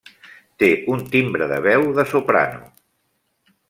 Té un timbre de veu de soprano.